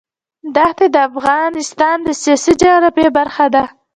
دښتې د افغانستان د سیاسي جغرافیه برخه ده.